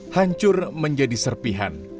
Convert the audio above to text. hancur menjadi serpihan